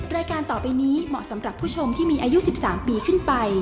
รายการต่อไปนี้เหมาะสำหรับผู้ชมที่มีอายุ๑๓ปีขึ้นไป